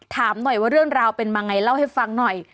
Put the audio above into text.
ถามหน่อยว่าเรื่องราวเป็นมาไงเล่าให้ฟังหน่อย